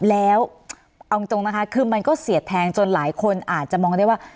แล้วเอาจริงนะคะคือมันก็เสียดแทงจนหลายคนอาจจะมองได้ว่า